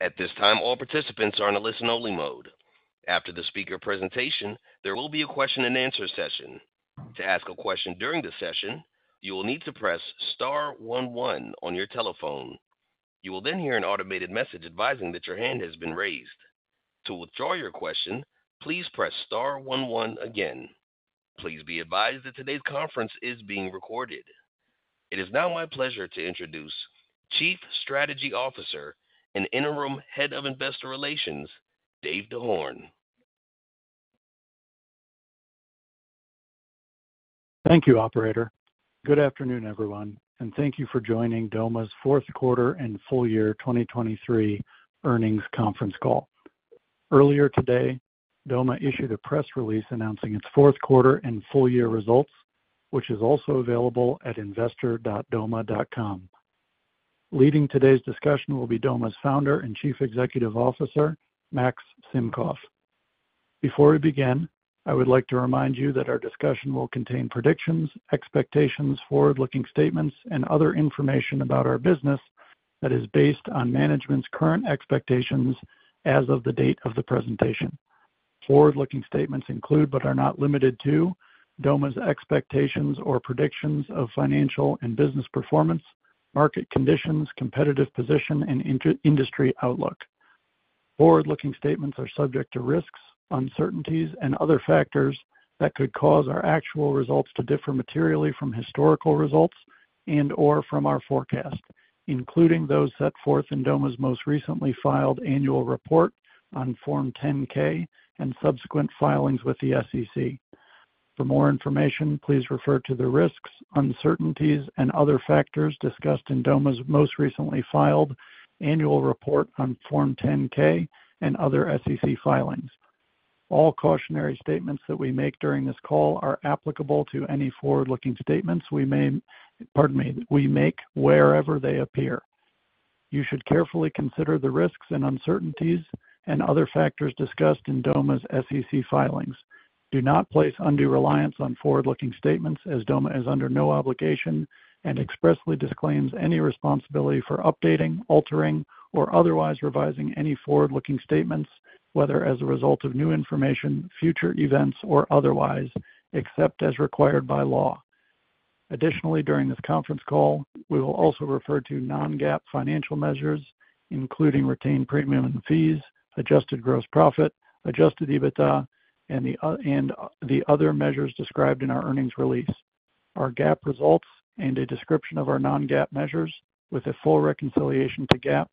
At this time, all participants are in a listen-only mode. After the speaker presentation, there will be a question-and-answer session. To ask a question during the session, you will need to press star one, one on your telephone. You will then hear an automated message advising that your hand has been raised. To withdraw your question, please press star one, one again. Please be advised that today's conference is being recorded. It is now my pleasure to introduce Chief Strategy Officer and Interim Head of Investor Relations, David DeHorn. Thank you, Operator. Good afternoon, everyone, and thank you for joining Doma's fourth quarter and full-year 2023 earnings conference call. Earlier today, Doma issued a press release announcing its fourth quarter and full-year results, which is also available at investor.doma.com. Leading today's discussion will be Doma's founder and Chief Executive Officer, Max Simkoff. Before we begin, I would like to remind you that our discussion will contain predictions, expectations, forward-looking statements, and other information about our business that is based on management's current expectations as of the date of the presentation. Forward-looking statements include but are not limited to Doma's expectations or predictions of financial and business performance, market conditions, competitive position, and industry outlook. Forward-looking statements are subject to risks, uncertainties, and other factors that could cause our actual results to differ materially from historical results and/or from our forecast, including those set forth in Doma's most recently filed annual report on Form 10-K and subsequent filings with the SEC. For more information, please refer to the risks, uncertainties, and other factors discussed in Doma's most recently filed annual report on Form 10-K and other SEC filings. All cautionary statements that we make during this call are applicable to any forward-looking statements we may, pardon me, we make wherever they appear. You should carefully consider the risks and uncertainties and other factors discussed in Doma's SEC filings. Do not place undue reliance on forward-looking statements as Doma is under no obligation and expressly disclaims any responsibility for updating, altering, or otherwise revising any forward-looking statements, whether as a result of new information, future events, or otherwise, except as required by law. Additionally, during this conference call, we will also refer to non-GAAP financial measures, including retained premium and fees, adjusted gross profit, adjusted EBITDA, and the other measures described in our earnings release. Our GAAP results and a description of our non-GAAP measures, with a full reconciliation to GAAP,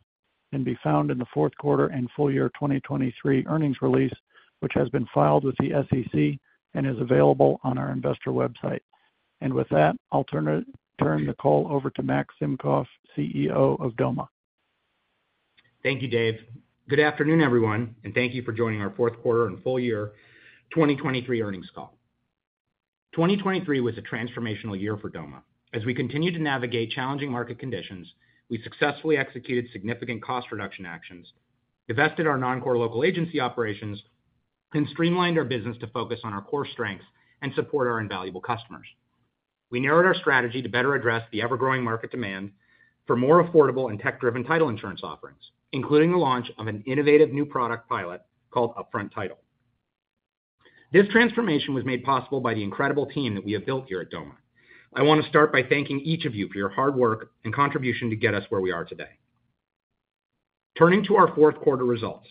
can be found in the fourth quarter and full-year 2023 earnings release, which has been filed with the SEC and is available on our investor website. With that, I'll turn the call over to Max Simkoff, CEO of Doma. Thank you, Dave. Good afternoon, everyone, and thank you for joining our fourth quarter and full-year 2023 earnings call. 2023 was a transformational year for Doma. As we continue to navigate challenging market conditions, we successfully executed significant cost reduction actions, divested our non-core local agency operations, and streamlined our business to focus on our core strengths and support our invaluable customers. We narrowed our strategy to better address the ever-growing market demand for more affordable and tech-driven title insurance offerings, including the launch of an innovative new product pilot called Upfront Title. This transformation was made possible by the incredible team that we have built here at Doma. I want to start by thanking each of you for your hard work and contribution to get us where we are today. Turning to our fourth quarter results,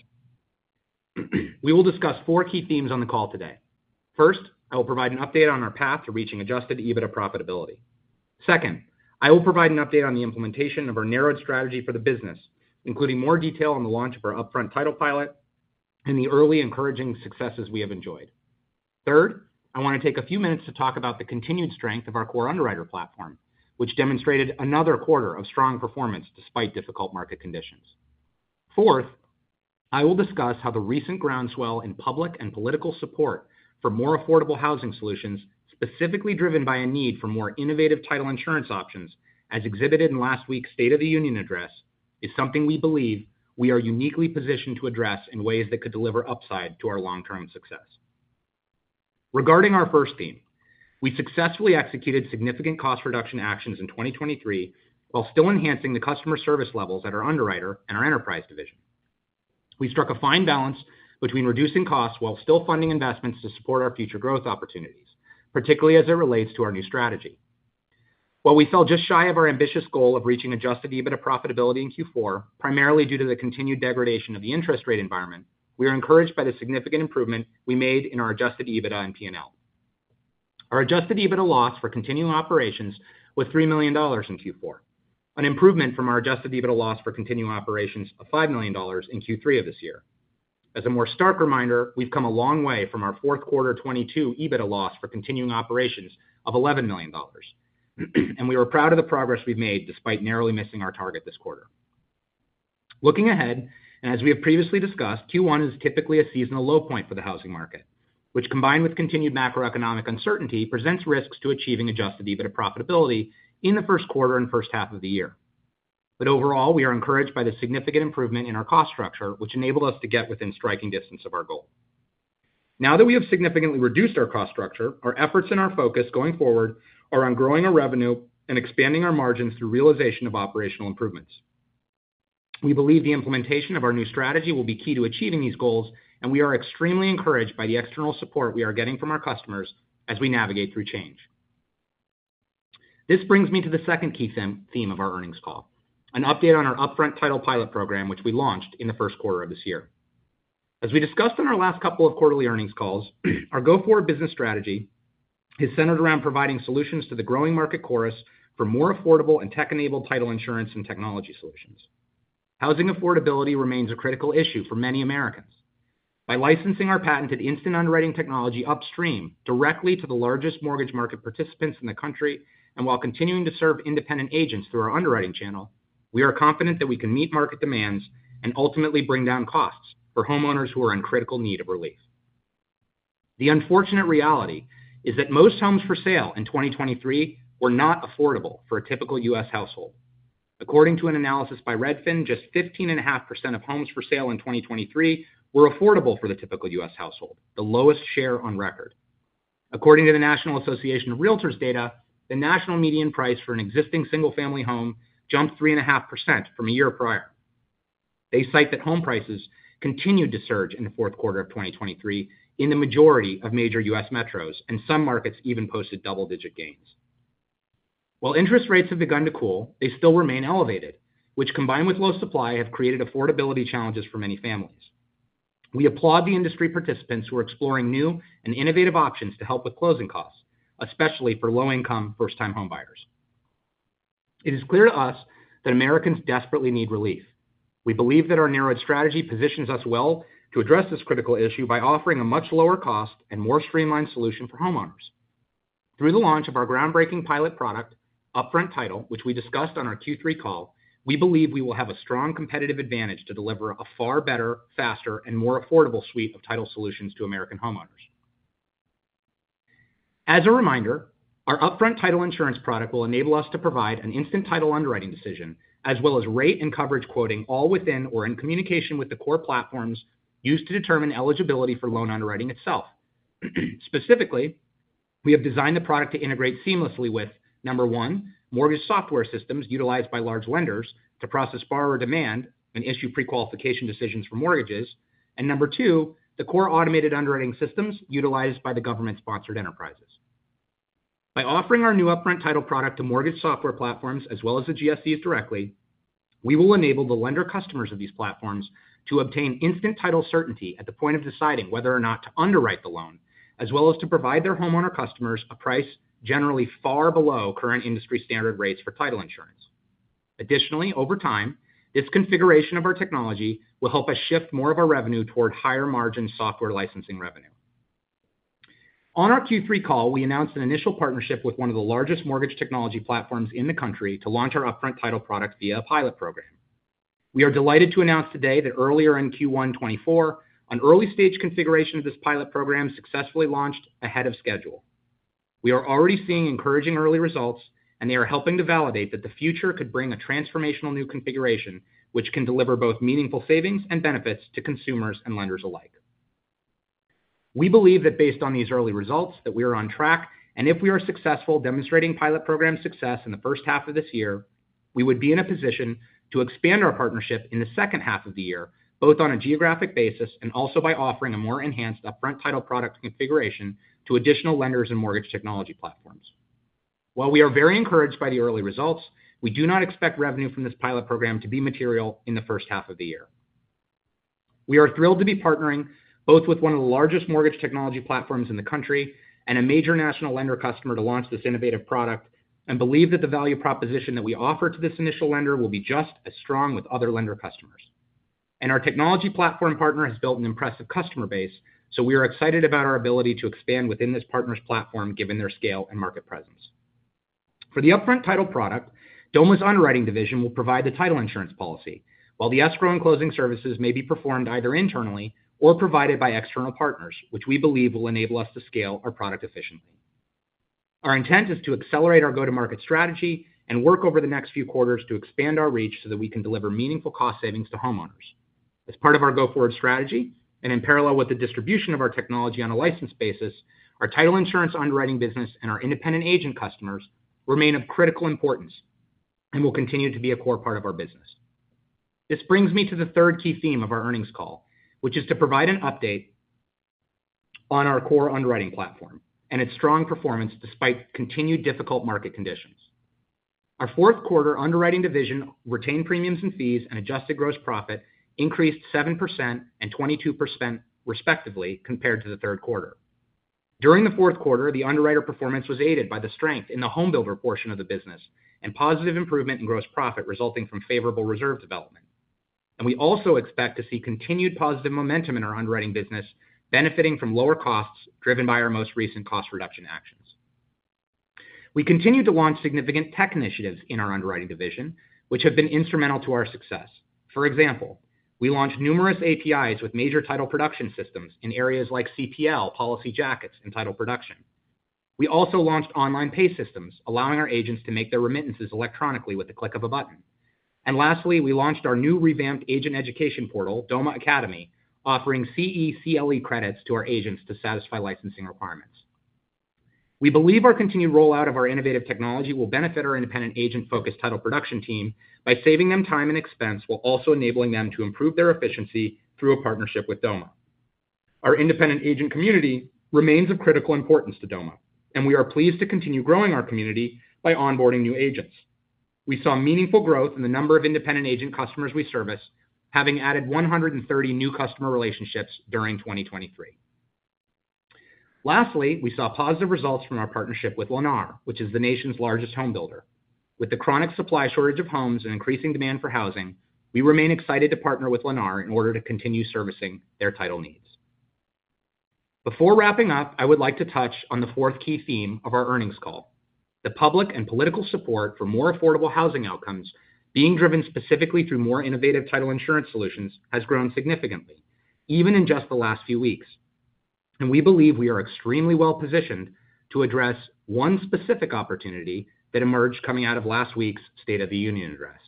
we will discuss four key themes on the call today. First, I will provide an update on our path to reaching adjusted EBITDA profitability. Second, I will provide an update on the implementation of our narrowed strategy for the business, including more detail on the launch of our Upfront Title pilot and the early encouraging successes we have enjoyed. Third, I want to take a few minutes to talk about the continued strength of our core underwriter platform, which demonstrated another quarter of strong performance despite difficult market conditions. Fourth, I will discuss how the recent groundswell in public and political support for more affordable housing solutions, specifically driven by a need for more innovative title insurance options, as exhibited in last week's State of the Union address, is something we believe we are uniquely positioned to address in ways that could deliver upside to our long-term success. Regarding our first theme, we successfully executed significant cost reduction actions in 2023 while still enhancing the customer service levels at our underwriter and our enterprise division. We struck a fine balance between reducing costs while still funding investments to support our future growth opportunities, particularly as it relates to our new strategy. While we fell just shy of our ambitious goal of reaching Adjusted EBITDA profitability in Q4, primarily due to the continued degradation of the interest rate environment, we are encouraged by the significant improvement we made in our Adjusted EBITDA and P&L. Our Adjusted EBITDA loss for continuing operations was $3 million in Q4, an improvement from our Adjusted EBITDA loss for continuing operations of $5 million in Q3 of this year. As a more stark reminder, we've come a long way from our fourth quarter 2022 EBITDA loss for continuing operations of $11 million, and we are proud of the progress we've made despite narrowly missing our target this quarter. Looking ahead, and as we have previously discussed, Q1 is typically a seasonal low point for the housing market, which, combined with continued macroeconomic uncertainty, presents risks to achieving adjusted EBITDA profitability in the first quarter and first half of the year. But overall, we are encouraged by the significant improvement in our cost structure, which enabled us to get within striking distance of our goal. Now that we have significantly reduced our cost structure, our efforts and our focus going forward are on growing our revenue and expanding our margins through realization of operational improvements. We believe the implementation of our new strategy will be key to achieving these goals, and we are extremely encouraged by the external support we are getting from our customers as we navigate through change. This brings me to the second key theme of our earnings call: an update on our Upfront Title pilot program, which we launched in the first quarter of this year. As we discussed in our last couple of quarterly earnings calls, our go-forward business strategy is centered around providing solutions to the growing market chorus for more affordable and tech-enabled title insurance and technology solutions. Housing affordability remains a critical issue for many Americans. By licensing our patented instant underwriting technology upstream directly to the largest mortgage market participants in the country, and while continuing to serve independent agents through our underwriting channel, we are confident that we can meet market demands and ultimately bring down costs for homeowners who are in critical need of relief. The unfortunate reality is that most homes for sale in 2023 were not affordable for a typical U.S. household. According to an analysis by Redfin, just 15.5% of homes for sale in 2023 were affordable for the typical U.S. household, the lowest share on record. According to the National Association of Realtors data, the national median price for an existing single-family home jumped 3.5% from a year prior. They cite that home prices continued to surge in the fourth quarter of 2023 in the majority of major U.S. metros, and some markets even posted double-digit gains. While interest rates have begun to cool, they still remain elevated, which, combined with low supply, have created affordability challenges for many families. We applaud the industry participants who are exploring new and innovative options to help with closing costs, especially for low-income first-time homebuyers. It is clear to us that Americans desperately need relief. We believe that our narrowed strategy positions us well to address this critical issue by offering a much lower cost and more streamlined solution for homeowners. Through the launch of our groundbreaking pilot product, Upfront Title, which we discussed on our Q3 call, we believe we will have a strong competitive advantage to deliver a far better, faster, and more affordable suite of title solutions to American homeowners. As a reminder, our Upfront Title insurance product will enable us to provide an instant title underwriting decision, as well as rate and coverage quoting all within or in communication with the core platforms used to determine eligibility for loan underwriting itself. Specifically, we have designed the product to integrate seamlessly with, number one, mortgage software systems utilized by large lenders to process borrower demand and issue pre-qualification decisions for mortgages, and number two, the core automated underwriting systems utilized by the government-sponsored enterprises. By offering our new Upfront Title product to mortgage software platforms as well as the GSEs directly, we will enable the lender customers of these platforms to obtain instant title certainty at the point of deciding whether or not to underwrite the loan, as well as to provide their homeowner customers a price generally far below current industry standard rates for title insurance. Additionally, over time, this configuration of our technology will help us shift more of our revenue toward higher-margin software licensing revenue. On our Q3 call, we announced an initial partnership with one of the largest mortgage technology platforms in the country to launch our Upfront Title product via a pilot program. We are delighted to announce today that earlier in Q1 2024, an early-stage configuration of this pilot program successfully launched ahead of schedule. We are already seeing encouraging early results, and they are helping to validate that the future could bring a transformational new configuration, which can deliver both meaningful savings and benefits to consumers and lenders alike. We believe that based on these early results, that we are on track, and if we are successful demonstrating pilot program success in the first half of this year, we would be in a position to expand our partnership in the second half of the year, both on a geographic basis and also by offering a more enhanced Upfront Title product configuration to additional lenders and mortgage technology platforms. While we are very encouraged by the early results, we do not expect revenue from this pilot program to be material in the first half of the year. We are thrilled to be partnering both with one of the largest mortgage technology platforms in the country and a major national lender customer to launch this innovative product and believe that the value proposition that we offer to this initial lender will be just as strong with other lender customers. Our technology platform partner has built an impressive customer base, so we are excited about our ability to expand within this partner's platform given their scale and market presence. For the Upfront Title product, Doma's underwriting division will provide the title insurance policy, while the escrow and closing services may be performed either internally or provided by external partners, which we believe will enable us to scale our product efficiently. Our intent is to accelerate our go-to-market strategy and work over the next few quarters to expand our reach so that we can deliver meaningful cost savings to homeowners. As part of our go-forward strategy, and in parallel with the distribution of our technology on a licensed basis, our title insurance underwriting business and our independent agent customers remain of critical importance and will continue to be a core part of our business. This brings me to the third key theme of our earnings call, which is to provide an update on our core underwriting platform and its strong performance despite continued difficult market conditions. Our fourth quarter underwriting division retained premiums and fees and adjusted gross profit increased 7% and 22%, respectively, compared to the third quarter. During the fourth quarter, the underwriter performance was aided by the strength in the homebuilder portion of the business and positive improvement in gross profit resulting from favorable reserve development. We also expect to see continued positive momentum in our underwriting business, benefiting from lower costs driven by our most recent cost reduction actions. We continue to launch significant tech initiatives in our underwriting division, which have been instrumental to our success. For example, we launched numerous APIs with major title production systems in areas like CPL, policy jackets, and title production. We also launched online pay systems, allowing our agents to make their remittances electronically with the click of a button. Lastly, we launched our new revamped agent education portal, Doma Academy, offering CE/CLE credits to our agents to satisfy licensing requirements. We believe our continued rollout of our innovative technology will benefit our independent agent-focused title production team by saving them time and expense while also enabling them to improve their efficiency through a partnership with Doma. Our independent agent community remains of critical importance to Doma, and we are pleased to continue growing our community by onboarding new agents. We saw meaningful growth in the number of independent agent customers we service, having added 130 new customer relationships during 2023. Lastly, we saw positive results from our partnership with Lennar, which is the nation's largest homebuilder. With the chronic supply shortage of homes and increasing demand for housing, we remain excited to partner with Lennar in order to continue servicing their title needs. Before wrapping up, I would like to touch on the fourth key theme of our earnings call: the public and political support for more affordable housing outcomes being driven specifically through more innovative title insurance solutions has grown significantly, even in just the last few weeks. We believe we are extremely well positioned to address one specific opportunity that emerged coming out of last week's State of the Union address.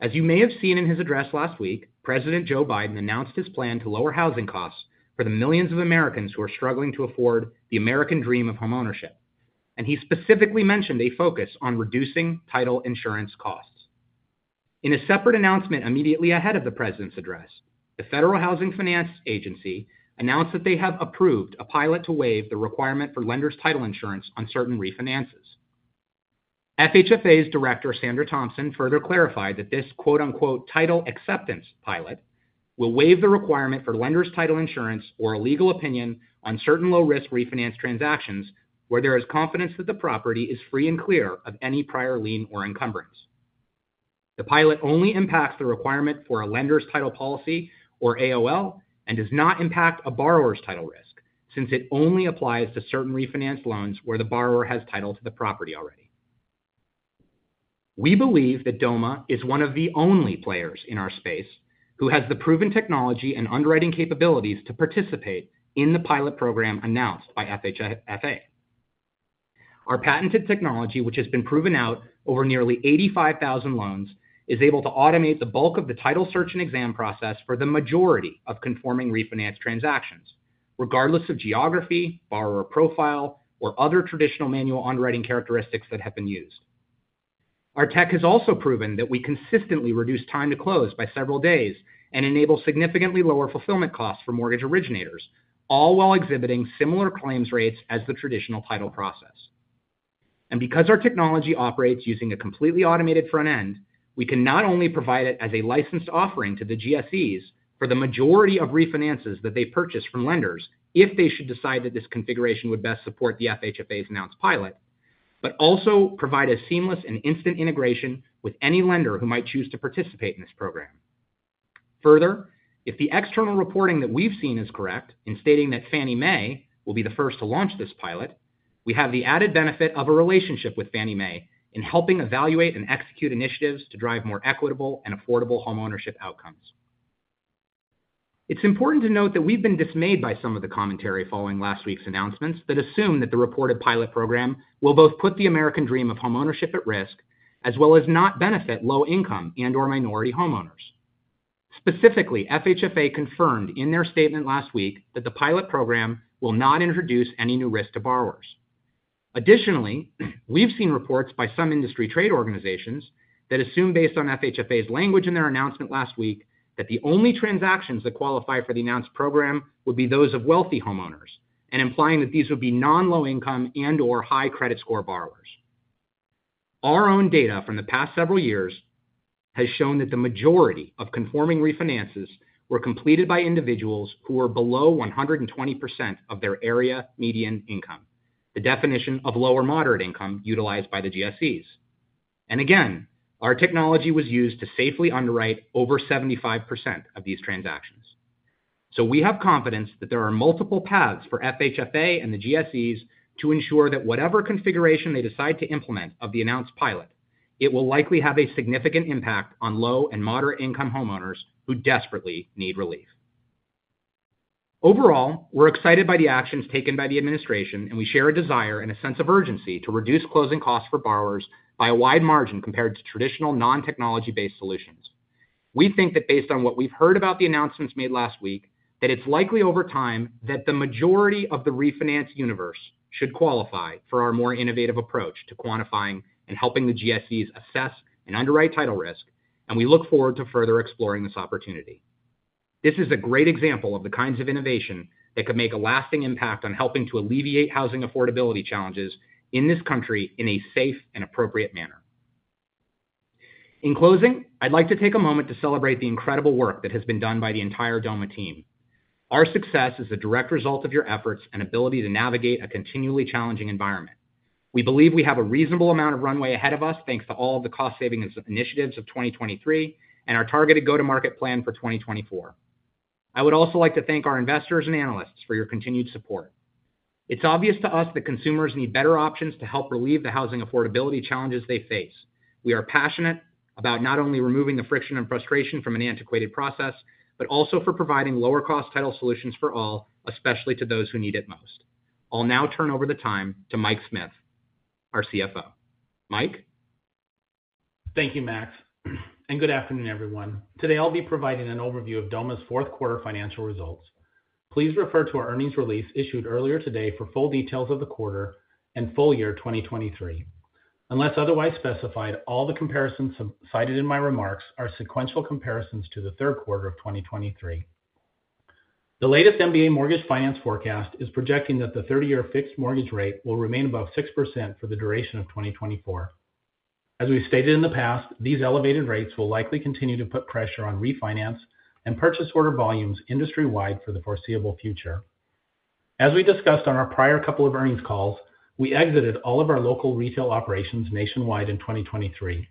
As you may have seen in his address last week, President Joe Biden announced his plan to lower housing costs for the millions of Americans who are struggling to afford the American dream of homeownership, and he specifically mentioned a focus on reducing title insurance costs. In a separate announcement immediately ahead of the president's address, the Federal Housing Finance Agency announced that they have approved a pilot to waive the requirement for lenders' title insurance on certain refinances. FHFA's director, Sandra Thompson, further clarified that this "Title Acceptance Pilot" will waive the requirement for lenders' title insurance or a legal opinion on certain low-risk refinance transactions where there is confidence that the property is free and clear of any prior lien or encumbrance. The pilot only impacts the requirement for a lender's title policy or AOL and does not impact a borrower's title risk, since it only applies to certain refinanced loans where the borrower has title to the property already. We believe that Doma is one of the only players in our space who has the proven technology and underwriting capabilities to participate in the pilot program announced by FHFA. Our patented technology, which has been proven out over nearly 85,000 loans, is able to automate the bulk of the title search and exam process for the majority of conforming refinance transactions, regardless of geography, borrower profile, or other traditional manual underwriting characteristics that have been used. Our tech has also proven that we consistently reduce time to close by several days and enable significantly lower fulfillment costs for mortgage originators, all while exhibiting similar claims rates as the traditional title process. And because our technology operates using a completely automated front end, we can not only provide it as a licensed offering to the GSEs for the majority of refinances that they purchase from lenders if they should decide that this configuration would best support the FHFA's announced pilot, but also provide a seamless and instant integration with any lender who might choose to participate in this program. Further, if the external reporting that we've seen is correct in stating that Fannie Mae will be the first to launch this pilot, we have the added benefit of a relationship with Fannie Mae in helping evaluate and execute initiatives to drive more equitable and affordable homeownership outcomes. It's important to note that we've been dismayed by some of the commentary following last week's announcements that assume that the reported pilot program will both put the American dream of homeownership at risk as well as not benefit low-income and/or minority homeowners. Specifically, FHFA confirmed in their statement last week that the pilot program will not introduce any new risk to borrowers. Additionally, we've seen reports by some industry trade organizations that assume, based on FHFA's language in their announcement last week, that the only transactions that qualify for the announced program would be those of wealthy homeowners, and implying that these would be non-low-income and/or high-credit score borrowers. Our own data from the past several years has shown that the majority of conforming refinances were completed by individuals who were below 120% of their area median income, the definition of Low-to-Moderate Income utilized by the GSEs. And again, our technology was used to safely underwrite over 75% of these transactions. So we have confidence that there are multiple paths for FHFA and the GSEs to ensure that whatever configuration they decide to implement of the announced pilot, it will likely have a significant impact on low and moderate-income homeowners who desperately need relief. Overall, we're excited by the actions taken by the administration, and we share a desire and a sense of urgency to reduce closing costs for borrowers by a wide margin compared to traditional non-technology-based solutions. We think that based on what we've heard about the announcements made last week, that it's likely over time that the majority of the refinance universe should qualify for our more innovative approach to quantifying and helping the GSEs assess and underwrite title risk, and we look forward to further exploring this opportunity. This is a great example of the kinds of innovation that could make a lasting impact on helping to alleviate housing affordability challenges in this country in a safe and appropriate manner. In closing, I'd like to take a moment to celebrate the incredible work that has been done by the entire Doma team. Our success is a direct result of your efforts and ability to navigate a continually challenging environment. We believe we have a reasonable amount of runway ahead of us thanks to all of the cost-saving initiatives of 2023 and our targeted go-to-market plan for 2024. I would also like to thank our investors and analysts for your continued support. It's obvious to us that consumers need better options to help relieve the housing affordability challenges they face. We are passionate about not only removing the friction and frustration from an antiquated process, but also for providing lower-cost title solutions for all, especially to those who need it most. I'll now turn over the time to Mike Smith, our CFO. Mike? Thank you, Max. Good afternoon, everyone. Today, I'll be providing an overview of Doma's fourth quarter financial results. Please refer to our earnings release issued earlier today for full details of the quarter and full year 2023. Unless otherwise specified, all the comparisons cited in my remarks are sequential comparisons to the third quarter of 2023. The latest MBA Mortgage Finance forecast is projecting that the 30-year fixed mortgage rate will remain above 6% for the duration of 2024. As we've stated in the past, these elevated rates will likely continue to put pressure on refinance and purchase order volumes industry-wide for the foreseeable future. As we discussed on our prior couple of earnings calls, we exited all of our local retail operations nationwide in 2023.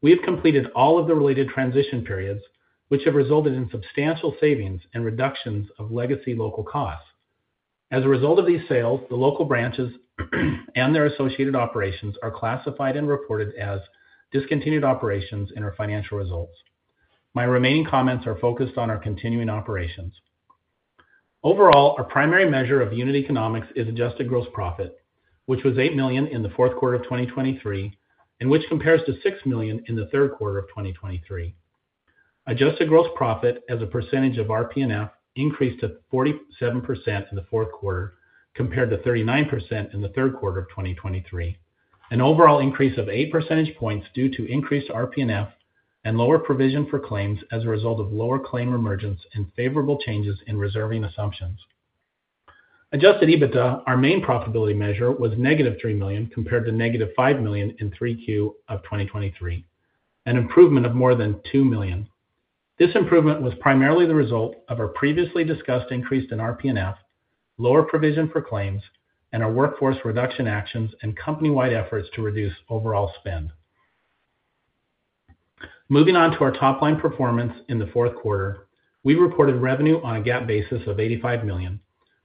We have completed all of the related transition periods, which have resulted in substantial savings and reductions of legacy local costs. As a result of these sales, the local branches and their associated operations are classified and reported as discontinued operations in our financial results. My remaining comments are focused on our continuing operations. Overall, our primary measure of unit economics is Adjusted Gross Profit, which was $8 million in the fourth quarter of 2023 and which compares to $6 million in the third quarter of 2023. Adjusted Gross Profit, as a percentage of RPNF, increased to 47% in the fourth quarter compared to 39% in the third quarter of 2023, an overall increase of 8 percentage points due to increased RPNF and lower provision for claims as a result of lower claim emergence and favorable changes in reserving assumptions. Adjusted EBITDA, our main profitability measure, was -$3 million compared to -$5 million in Q3 of 2023, an improvement of more than $2 million. This improvement was primarily the result of our previously discussed increase in RPNF, lower provision for claims, and our workforce reduction actions and company-wide efforts to reduce overall spend. Moving on to our top-line performance in the fourth quarter, we reported revenue on a GAAP basis of $85 million,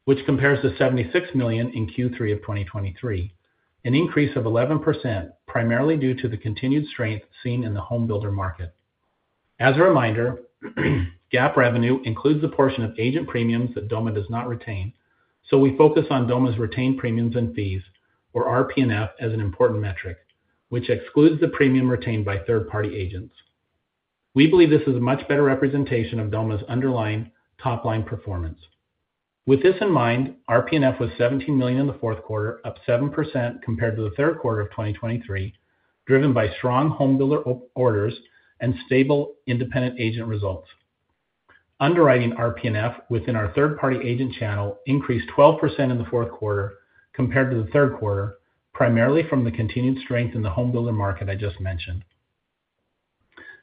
which compares to $76 million in Q3 of 2023, an increase of 11% primarily due to the continued strength seen in the homebuilder market. As a reminder, GAAP revenue includes the portion of agent premiums that Doma does not retain, so we focus on Doma's retained premiums and fees, or RPNF, as an important metric, which excludes the premium retained by third-party agents. We believe this is a much better representation of Doma's underlying top-line performance. With this in mind, RPNF was $17 million in the fourth quarter, up 7% compared to the third quarter of 2023, driven by strong homebuilder orders and stable independent agent results. Underwriting RPNF within our third-party agent channel increased 12% in the fourth quarter compared to the third quarter, primarily from the continued strength in the homebuilder market I just mentioned.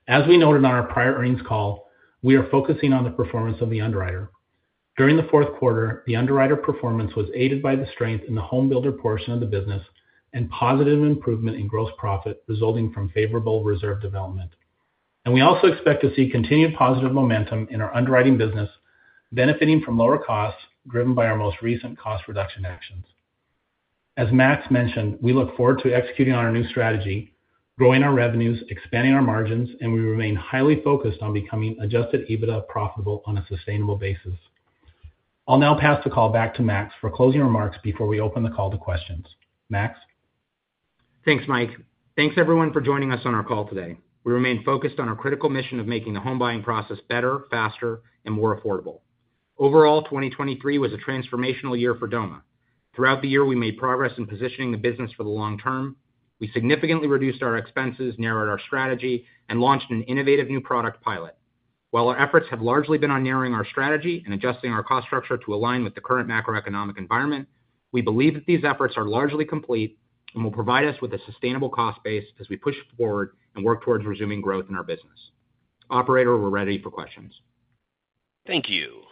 As we noted on our prior earnings call, we are focusing on the performance of the underwriter. During the fourth quarter, the underwriter performance was aided by the strength in the homebuilder portion of the business and positive improvement in gross profit resulting from favorable reserve development. And we also expect to see continued positive momentum in our underwriting business, benefiting from lower costs driven by our most recent cost reduction actions. As Max mentioned, we look forward to executing on our new strategy, growing our revenues, expanding our margins, and we remain highly focused on becoming Adjusted EBITDA profitable on a sustainable basis. I'll now pass the call back to Max for closing remarks before we open the call to questions. Max? Thanks, Mike. Thanks, everyone, for joining us on our call today. We remain focused on our critical mission of making the home buying process better, faster, and more affordable. Overall, 2023 was a transformational year for Doma. Throughout the year, we made progress in positioning the business for the long term. We significantly reduced our expenses, narrowed our strategy, and launched an innovative new product pilot. While our efforts have largely been on narrowing our strategy and adjusting our cost structure to align with the current macroeconomic environment, we believe that these efforts are largely complete and will provide us with a sustainable cost base as we push forward and work towards resuming growth in our business. Operator, we're ready for questions. Thank you.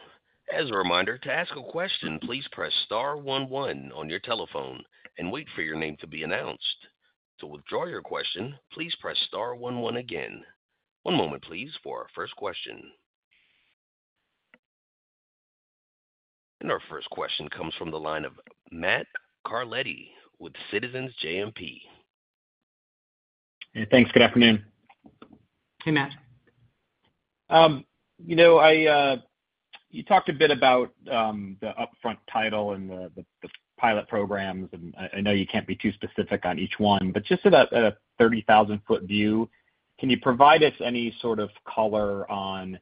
As a reminder, to ask a question, please press star one, one on your telephone and wait for your name to be announced. To withdraw your question, please press star one, one again. One moment, please, for our first question. Our first question comes from the line of Matt Carletti with Citizens JMP. Thanks. Good afternoon. Hey, Matt. You talked a bit about the Upfront Title and the pilot programs, and I know you can't be too specific on each one, but just at a 30,000-foot view, can you provide us any sort of color on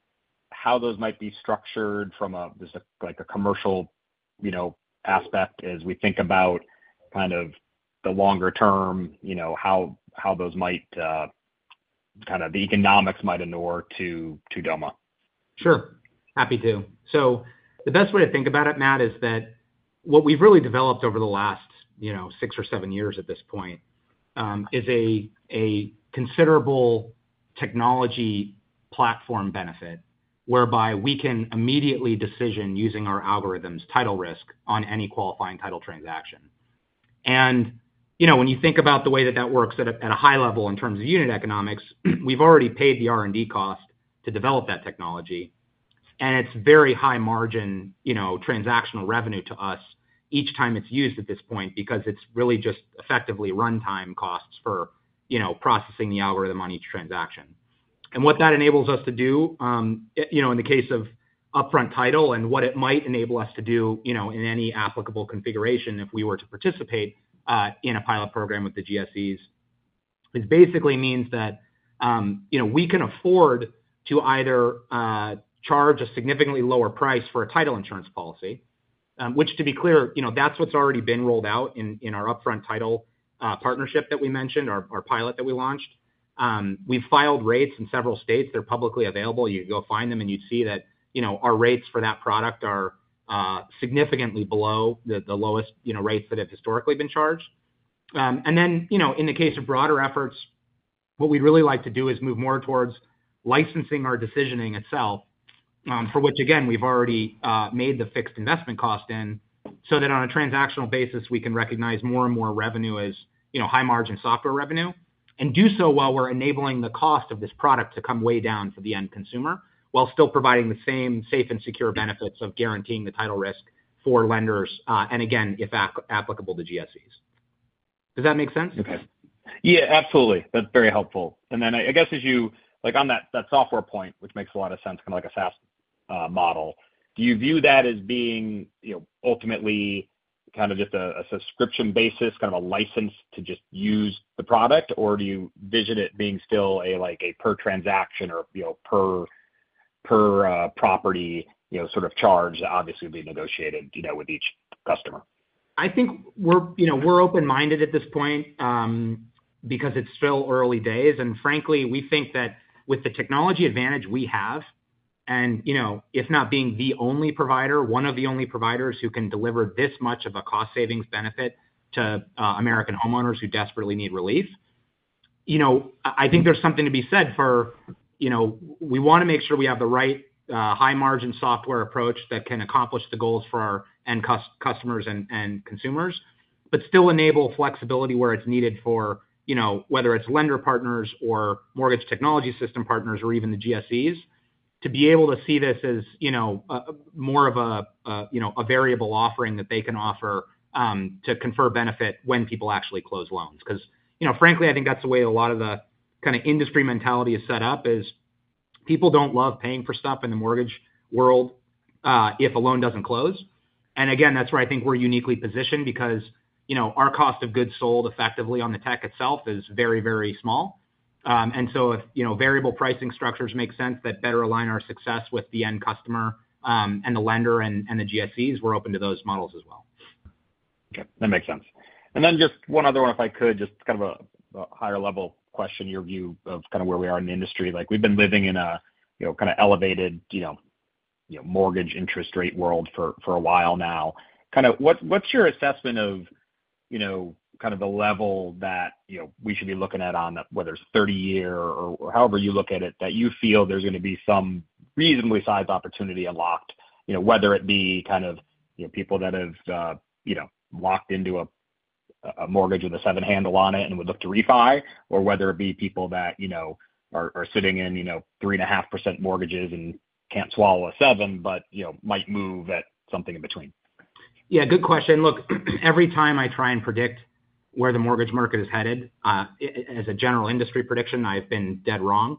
how those might be structured from just a commercial aspect as we think about kind of the longer term, how those might kind of the economics might inure to Doma? Sure. Happy to. So the best way to think about it, Matt, is that what we've really developed over the last six or seven years at this point is a considerable technology platform benefit whereby we can immediately decision using our algorithms title risk on any qualifying title transaction. And when you think about the way that that works at a high level in terms of unit economics, we've already paid the R&D cost to develop that technology, and it's very high-margin transactional revenue to us each time it's used at this point because it's really just effectively runtime costs for processing the algorithm on each transaction. And what that enables us to do in the case of Upfront Title and what it might enable us to do in any applicable configuration if we were to participate in a pilot program with the GSEs is basically means that we can afford to either charge a significantly lower price for a title insurance policy, which, to be clear, that's what's already been rolled out in our Upfront Title partnership that we mentioned, our pilot that we launched. We've filed rates in several states. They're publicly available. You can go find them, and you'd see that our rates for that product are significantly below the lowest rates that have historically been charged. Then in the case of broader efforts, what we'd really like to do is move more towards licensing our decisioning itself, for which, again, we've already made the fixed investment cost in so that on a transactional basis, we can recognize more and more revenue as high-margin software revenue and do so while we're enabling the cost of this product to come way down for the end consumer while still providing the same safe and secure benefits of guaranteeing the title risk for lenders, and again, if applicable, the GSEs. Does that make sense? Okay. Yeah, absolutely. That's very helpful. And then I guess as you on that software point, which makes a lot of sense, kind of like a SaaS model, do you view that as being ultimately kind of just a subscription basis, kind of a license to just use the product, or do you envision it being still a per transaction or per property sort of charge that obviously would be negotiated with each customer? I think we're open-minded at this point because it's still early days. And frankly, we think that with the technology advantage we have, and if not being the only provider, one of the only providers who can deliver this much of a cost-savings benefit to American homeowners who desperately need relief, I think there's something to be said for we want to make sure we have the right high-margin software approach that can accomplish the goals for our end customers and consumers, but still enable flexibility where it's needed for whether it's lender partners or mortgage technology system partners or even the GSEs to be able to see this as more of a variable offering that they can offer to confer benefit when people actually close loans. Because frankly, I think that's the way a lot of the kind of industry mentality is set up is people don't love paying for stuff in the mortgage world if a loan doesn't close. And again, that's where I think we're uniquely positioned because our cost of goods sold effectively on the tech itself is very, very small. And so if variable pricing structures make sense that better align our success with the end customer and the lender and the GSEs, we're open to those models as well. Okay. That makes sense. And then just one other one, if I could, just kind of a higher-level question, your view of kind of where we are in the industry. We've been living in a kind of elevated mortgage interest rate world for a while now. Kind of what's your assessment of kind of the level that we should be looking at on whether it's 30-year or however you look at it, that you feel there's going to be some reasonably sized opportunity unlocked, whether it be kind of people that have walked into a mortgage with a seven handle on it and would look to refi, or whether it be people that are sitting in 3.5% mortgages and can't swallow a seven but might move at something in between? Yeah, good question. Look, every time I try and predict where the mortgage market is headed, as a general industry prediction, I've been dead wrong.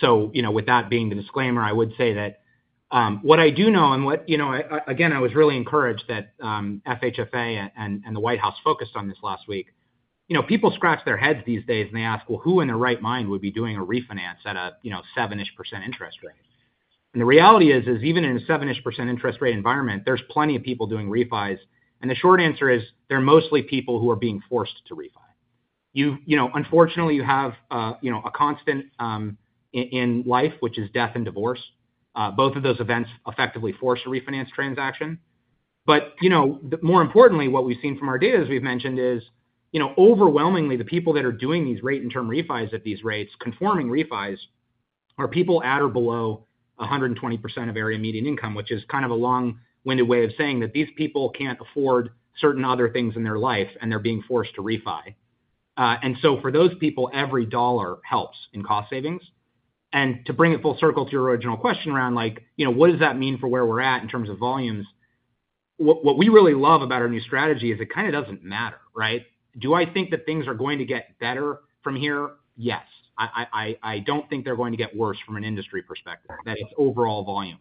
So with that being the disclaimer, I would say that what I do know and what again, I was really encouraged that FHFA and the White House focused on this last week. People scratch their heads these days, and they ask, "Well, who in their right mind would be doing a refinance at a 7-ish% interest rate?" And the reality is, even in a 7-ish% interest rate environment, there's plenty of people doing refis. And the short answer is they're mostly people who are being forced to refi. Unfortunately, you have a constant in life, which is death and divorce. Both of those events effectively force a refinance transaction. But more importantly, what we've seen from our data as we've mentioned is, overwhelmingly, the people that are doing these rate-and-term refis at these rates, conforming refis, are people at or below 120% of area median income, which is kind of a long-winded way of saying that these people can't afford certain other things in their life, and they're being forced to refi. And so for those people, every dollar helps in cost savings. And to bring it full circle to your original question around what does that mean for where we're at in terms of volumes, what we really love about our new strategy is it kind of doesn't matter, right? Do I think that things are going to get better from here? Yes. I don't think they're going to get worse from an industry perspective, that it's overall volume.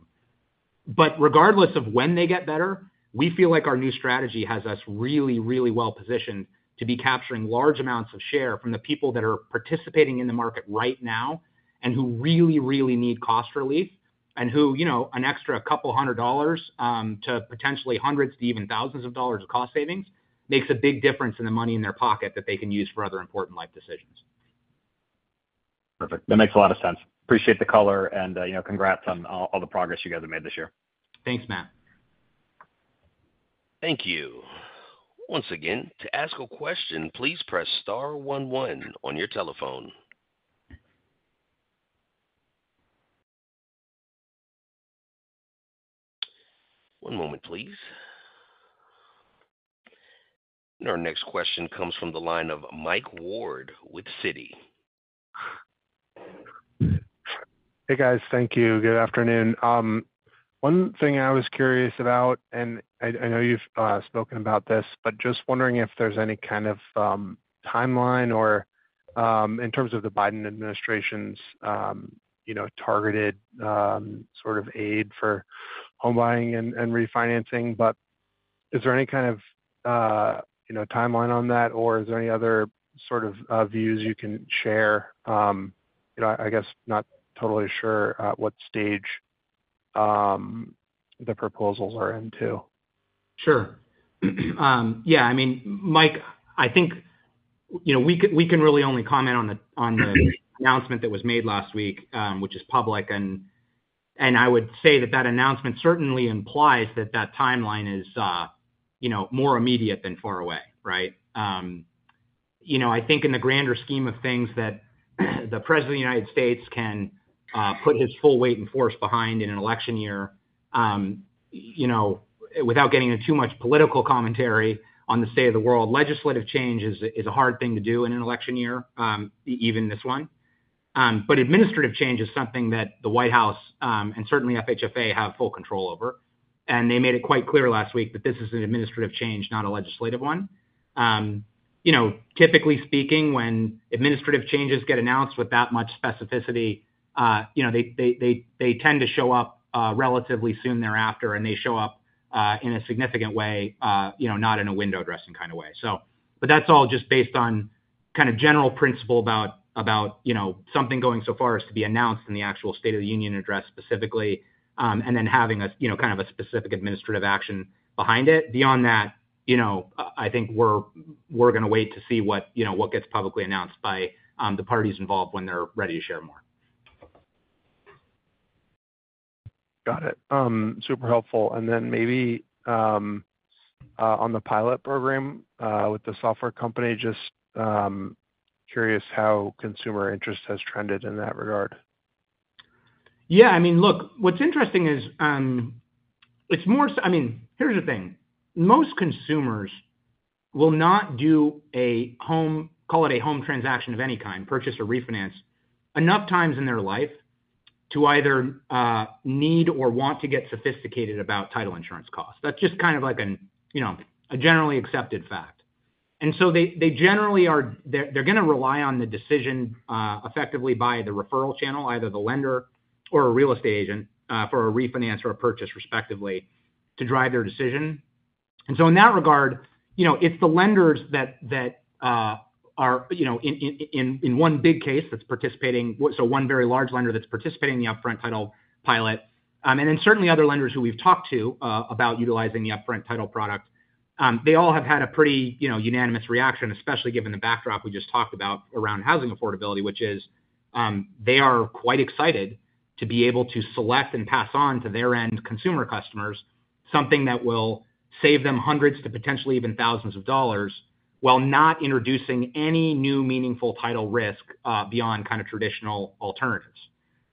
But regardless of when they get better, we feel like our new strategy has us really, really well positioned to be capturing large amounts of share from the people that are participating in the market right now and who really, really need cost relief and who an extra $200 to potentially hundreds to even thousands of dollars of cost savings makes a big difference in the money in their pocket that they can use for other important life decisions. Perfect. That makes a lot of sense. Appreciate the color, and congrats on all the progress you guys have made this year. Thanks, Matt. Thank you. Once again, to ask a question, please press star one, one on your telephone. One moment, please. Our next question comes from the line of Mike Ward with Citi. Hey, guys. Thank you. Good afternoon. One thing I was curious about, and I know you've spoken about this, but just wondering if there's any kind of timeline in terms of the Biden administration's targeted sort of aid for home buying and refinancing. Is there any kind of timeline on that, or is there any other sort of views you can share? I guess not totally sure at what stage the proposals are into. Sure. Yeah. I mean, Mike, I think we can really only comment on the announcement that was made last week, which is public. And I would say that that announcement certainly implies that that timeline is more immediate than far away, right? I think in the grander scheme of things that the President of the United States can put his full weight and force behind in an election year without getting into too much political commentary on the state of the world. Legislative change is a hard thing to do in an election year, even this one. But administrative change is something that the White House and certainly FHFA have full control over. And they made it quite clear last week that this is an administrative change, not a legislative one. Typically speaking, when administrative changes get announced with that much specificity, they tend to show up relatively soon thereafter, and they show up in a significant way, not in a window dressing kind of way. But that's all just based on kind of general principle about something going so far as to be announced in the actual State of the Union address specifically and then having kind of a specific administrative action behind it. Beyond that, I think we're going to wait to see what gets publicly announced by the parties involved when they're ready to share more. Got it. Super helpful. And then maybe on the pilot program with the software company, just curious how consumer interest has trended in that regard? Yeah. I mean, look, what's interesting is it's more I mean, here's the thing. Most consumers will not do a home call it a home transaction of any kind, purchase or refinance, enough times in their life to either need or want to get sophisticated about title insurance costs. That's just kind of like a generally accepted fact. And so they generally are they're going to rely on the decision effectively by the referral channel, either the lender or a real estate agent for a refinance or a purchase, respectively, to drive their decision. And so in that regard, it's the lenders that are in one big case that's participating so one very large lender that's participating in the upfront title pilot. And then certainly other lenders who we've talked to about utilizing the Upfront Title product, they all have had a pretty unanimous reaction, especially given the backdrop we just talked about around housing affordability, which is they are quite excited to be able to select and pass on to their end consumer customers something that will save them hundreds to potentially even thousands dollars while not introducing any new meaningful title risk beyond kind of traditional alternatives.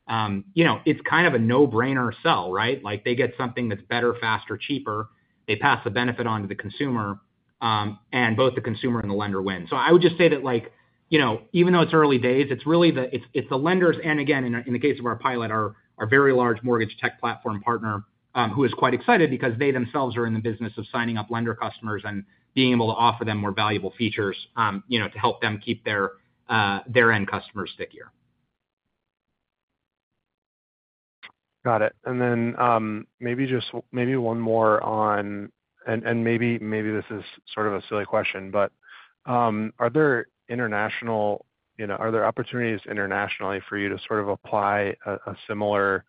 It's kind of a no-brainer sell, right? They get something that's better, faster, cheaper. They pass the benefit on to the consumer, and both the consumer and the lender win. So I would just say that even though it's early days, it's really the lenders and again, in the case of our pilot, our very large mortgage tech platform partner who is quite excited because they themselves are in the business of signing up lender customers and being able to offer them more valuable features to help them keep their end customers stickier. Got it. And then maybe one more on and maybe this is sort of a silly question, but are there international are there opportunities internationally for you to sort of apply a similar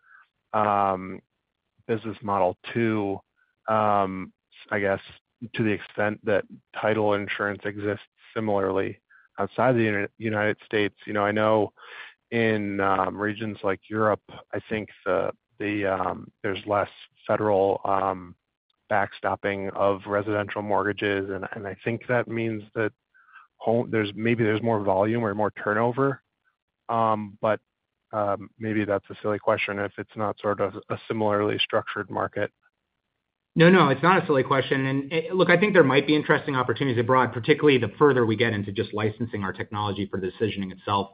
business model to, I guess, to the extent that title insurance exists similarly outside the United States? I know in regions like Europe, I think there's less federal backstopping of residential mortgages. And I think that means that maybe there's more volume or more turnover. But maybe that's a silly question if it's not sort of a similarly structured market. No, no. It's not a silly question. And look, I think there might be interesting opportunities abroad, particularly the further we get into just licensing our technology for the decisioning itself,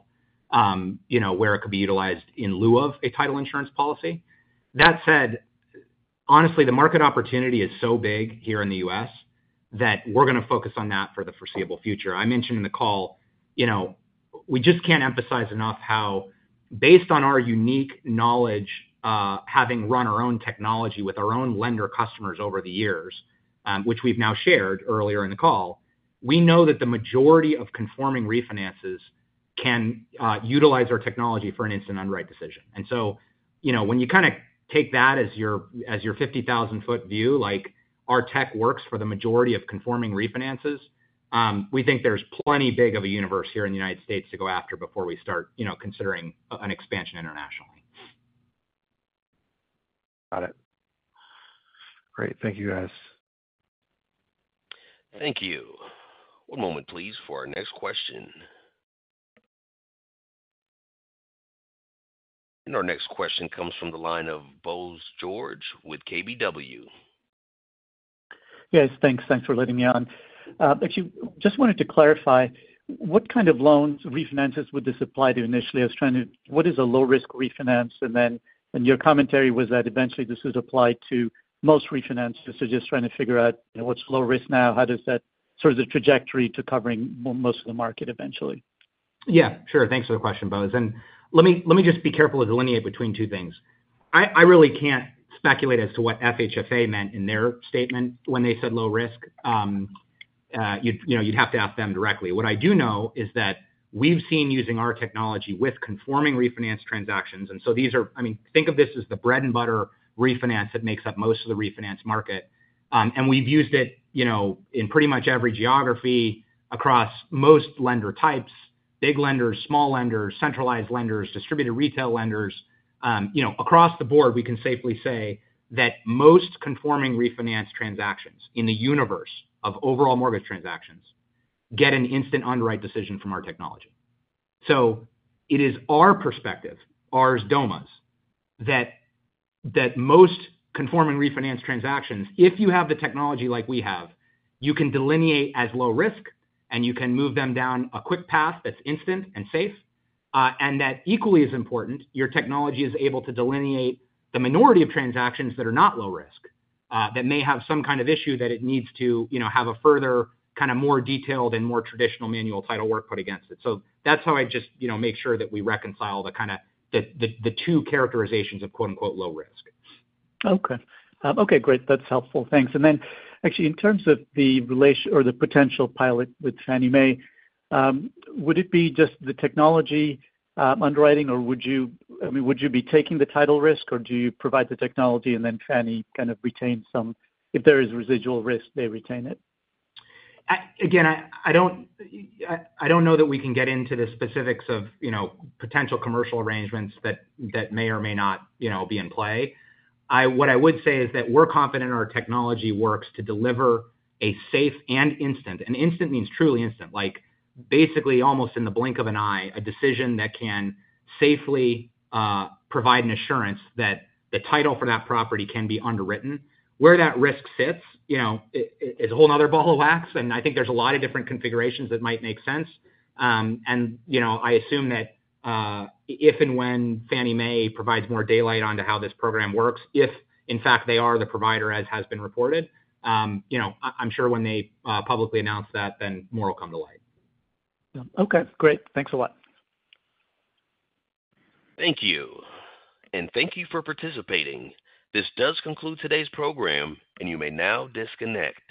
where it could be utilized in lieu of a title insurance policy. That said, honestly, the market opportunity is so big here in the U.S. that we're going to focus on that for the foreseeable future. I mentioned in the call, we just can't emphasize enough how, based on our unique knowledge, having run our own technology with our own lender customers over the years, which we've now shared earlier in the call, we know that the majority of conforming refinances can utilize our technology for an instant underwriting decision. And so when you kind of take that as your 50,000-foot view, like our tech works for the majority of conforming refinances, we think there's plenty big of a universe here in the United States to go after before we start considering an expansion internationally. Got it. Great. Thank you, guys. Thank you. One moment, please, for our next question. Our next question comes from the line of Bose George with KBW. Yes. Thanks. Thanks for letting me on. Actually, just wanted to clarify, what kind of loans refinances would this apply to initially? I was trying to what is a low-risk refinance? And then your commentary was that eventually this would apply to most refinances. So just trying to figure out what's low risk now, how does that sort of the trajectory to covering most of the market eventually? Yeah. Sure. Thanks for the question, Bose. And let me just be careful to delineate between two things. I really can't speculate as to what FHFA meant in their statement when they said low risk. You'd have to ask them directly. What I do know is that we've seen using our technology with conforming refinance transactions. And so these are I mean, think of this as the bread and butter refinance that makes up most of the refinance market. And we've used it in pretty much every geography across most lender types, big lenders, small lenders, centralized lenders, distributed retail lenders. Across the board, we can safely say that most conforming refinance transactions in the universe of overall mortgage transactions get an instant underwriting decision from our technology. So it is our perspective, our Doma's, that most conforming refinance transactions, if you have the technology like we have, you can delineate as low risk, and you can move them down a quick path that's instant and safe. And that equally as important, your technology is able to delineate the minority of transactions that are not low risk that may have some kind of issue that it needs to have a further kind of more detailed and more traditional manual title work put against it. So that's how I just make sure that we reconcile the kind of the two characterizations of "low risk. Okay. Okay. Great. That's helpful. Thanks. And then actually, in terms of the potential pilot with Fannie Mae, would it be just the technology underwriting, or would you, I mean, would you be taking the title risk, or do you provide the technology and then Fannie kind of retain some if there is residual risk, they retain it? Again, I don't know that we can get into the specifics of potential commercial arrangements that may or may not be in play. What I would say is that we're confident our technology works to deliver a safe and instant and instant means truly instant, basically almost in the blink of an eye, a decision that can safely provide an assurance that the title for that property can be underwritten. Where that risk sits is a whole nother ball of wax. And I think there's a lot of different configurations that might make sense. And I assume that if and when Fannie Mae provides more daylight onto how this program works, if in fact they are the provider as has been reported, I'm sure when they publicly announce that, then more will come to light. Okay. Great. Thanks a lot. Thank you. Thank you for participating. This does conclude today's program, and you may now disconnect.